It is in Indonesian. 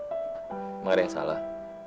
makanya ada yang salah